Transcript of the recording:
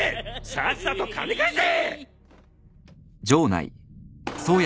さっさと金返せ！